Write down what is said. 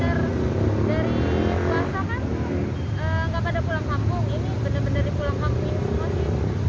benar benar di pulang kampung ini semua sih